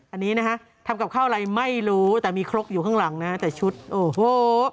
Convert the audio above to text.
อันนี้นะฮะทำกับข้าวอะไรไม่รู้แต่มีครกอยู่ข้างหลังนะฮะแต่ชุดโอ้โห